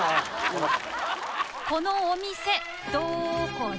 このお店どこだ？